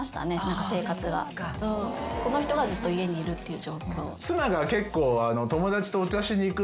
この人がずっと家にいるっていう状況。